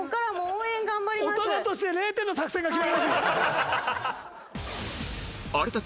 大人として０点の作戦が決まりました。